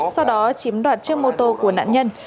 sau đó chiếm đoạt chiếc mô tô của nạn nhân